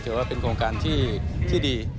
ถือว่าเป็นโครงการที่ดี